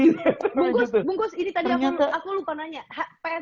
bungkus ini tadi aku lupa nanya